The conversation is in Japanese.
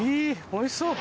おいしそう！